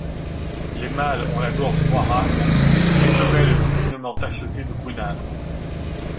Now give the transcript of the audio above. Les mâles ont la gorge noirâtre, les femelles l'ont finement tachetée de brunâtre.